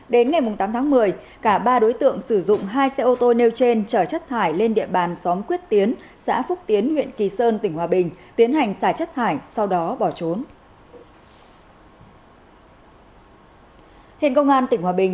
đến ngày tám tháng một mươi cả ba đối tượng sử dụng hai xe ô tô nêu trên chở chất thải lên địa bàn xóm quyết tiến xã phúc tiến huyện kỳ sơn tỉnh hòa bình tiến hành xả chất thải sau đó bỏ trốn